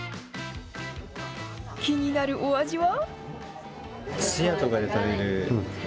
気になるお味は？